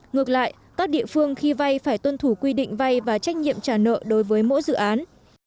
ngược lại các địa phương khi vay phải tuân thủ quy định vay và trách nhiệm trả nợ đối với mỗi dự án